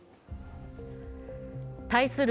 対する